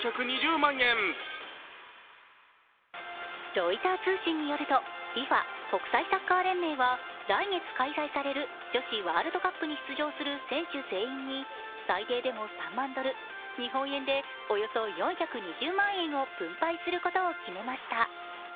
ロイター通信によると、ＦＩＦＡ＝国際サッカー連盟は来月開催される女子ワールドカップに出場する選手全員に、最低でも３万ドル、日本円でおよそ４２０万円を分配することを決めました。